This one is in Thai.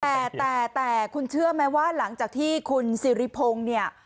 แต่แต่คุณเชื่อไหมว่าหลังจากที่คุณสิริพงศ์เนี่ย